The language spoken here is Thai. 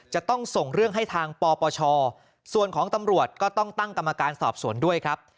จะต้องส่งเรื่องให้ทางปปชส่วนของตำรวจก็ต้องตั้งกรรมการสอบสวนด้วยครับ